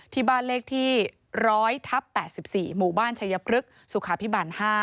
ที่บ้านเลขที่๑๐๐ทับ๘๔หมู่บ้านชัยพฤกษ์สุขาพิบาล๕